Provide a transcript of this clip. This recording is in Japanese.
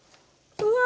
うわ！